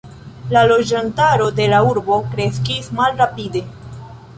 La loĝantaro de la urbo kreskis malrapide.